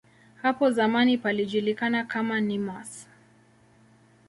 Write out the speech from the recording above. Hapo zamani palijulikana kama "Nemours".